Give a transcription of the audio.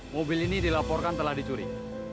mobil ini dilaporkan telah dicuri